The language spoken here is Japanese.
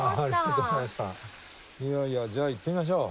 いやいやじゃあ行ってみましょう。